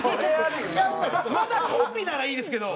まだコンビならいいですけど。